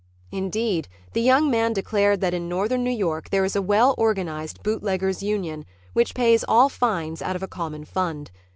Indeed, the young man declared that in Northern New York there is a well organized Bootleggers' Union, which pays all fines out of a common fund.